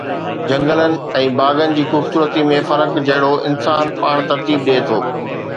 جهنگلن ۽ باغن جي خوبصورتي ۾ فرق جهڙو انسان پاڻ ترتيب ڏئي ٿو